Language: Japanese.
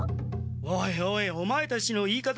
おいおいオマエたちの言い方